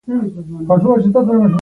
که به دوکاندار کوم مال خرڅاوه.